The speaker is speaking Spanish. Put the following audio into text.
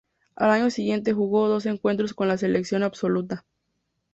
Al año siguiente jugó dos encuentros con la selección absoluta.